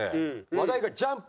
話題が『ジャンプ』